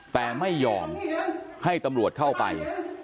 แต่ไม่ยอมให้ตำรวจเข้าไป